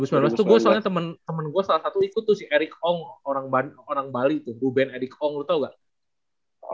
iya bener iya dua ribu sembilan belas itu gue soalnya temen gue salah satu ikut tuh si erick ong orang bali tuh ruben erick ong lo tau gak